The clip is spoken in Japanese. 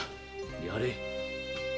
やれ！